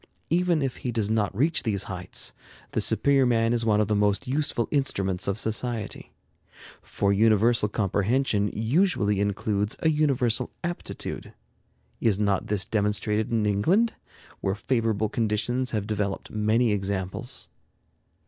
Even if he does not reach these heights, the superior man is one of the most useful instruments of society. For universal comprehension usually includes a universal aptitude. Is not this demonstrated in England, where favorable conditions have developed many examples?